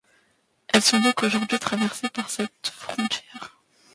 Elles sont donc aujourd'hui traversées par cette frontière.